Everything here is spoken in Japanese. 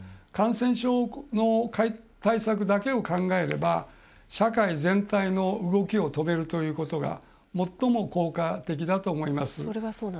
感染症の対策だけを考えれば社会全体の動きを止めるということが最も効果的だと思います。